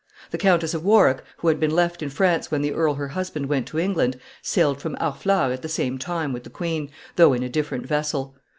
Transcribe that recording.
The Countess of Warwick, who had been left in France when the earl her husband went to England, sailed from Harfleur at the same time with the queen, though in a different vessel.